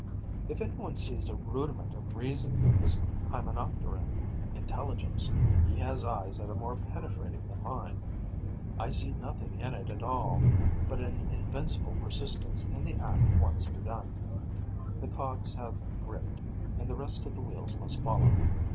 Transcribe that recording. If any one sees a rudiment of reason in this Hymenopteron intelligence, he has eyes that are more penetrating than mine. I see nothing in it all but an invincible persistence in the act once begun. The cogs have gripped; and the rest of the wheels must follow.